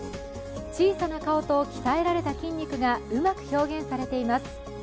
小さな顔と鍛えられた筋肉がうまく表現されています。